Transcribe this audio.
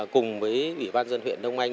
cùng với ủy ban dân huyện đông anh